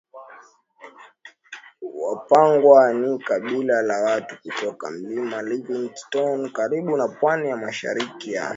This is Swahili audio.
Wapangwa ni kabila la watu kutoka Milima Livingstone karibu na pwani ya mashariki ya